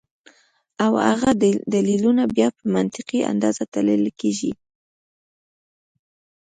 او هغه دليلونه بیا پۀ منطقي انداز تللے کيږي